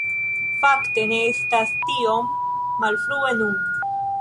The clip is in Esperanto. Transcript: Fakte, ne estas tiom malfrue nun